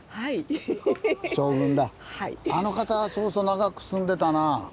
あの方はそうそう長く住んでたな。